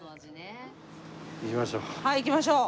行きましょう。